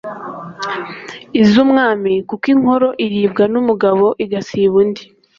iz'umwami kuko inkoro iribwa n'umugabo igasiba undi